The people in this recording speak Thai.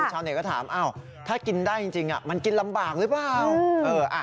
ชาวเน็ตก็ถามถ้ากินได้จริงมันกินลำบากหรือเปล่า